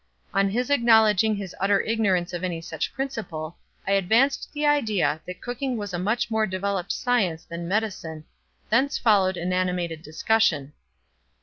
On his acknowledging his utter ignorance of any such principle, I advanced the idea that cooking was a much more developed science than medicine; thence followed an animated discussion.